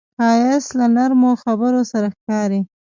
ښایست له نرمو خبرو سره ښکاري